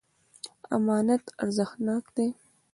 امانت ارزښتناک دی.